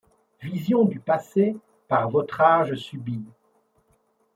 Vision du passé par votre âge subie !